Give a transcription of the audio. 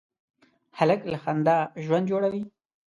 هلک له خندا ژوند جوړوي.